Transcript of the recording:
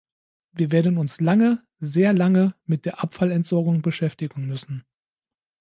Wir werden uns lange, sehr lange mit der Abfallentsorgung beschäftigen müssen.